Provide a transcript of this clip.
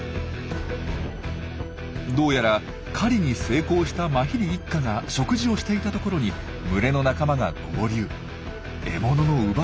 どうやら狩りに成功したマヒリ一家が食事をしていたところに群れの仲間が合流獲物の奪い合いに。